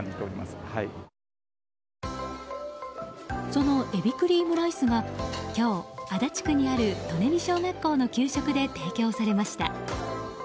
そのえびクリームライスが今日足立区にある舎人小学校の給食で提供されました。